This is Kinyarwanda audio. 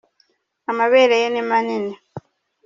amabereye nimanini